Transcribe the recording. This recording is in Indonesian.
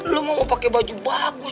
lo mau pakai baju bagus